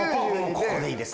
ここでいいです。